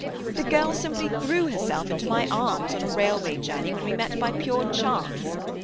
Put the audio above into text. The girl simply threw herself into my arms, on a railway journey, when we met by pure chance."